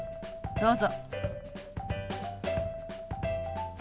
どうぞ。